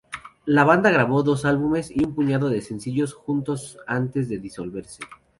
La banda grabó dos álbumes y un puñado de sencillos juntos antes de disolverse.